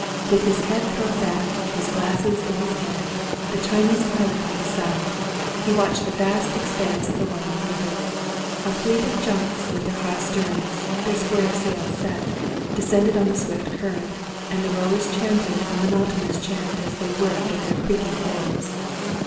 With his head thrown back, his glasses in his hand, the Chinese pilot by his side, he watched the vast expanse of the winding river. A fleet of junks with their high sterns, their square sails set, descended on the swift current, and the rowers chanted a mo notonous chant as they worked at their creaking oars.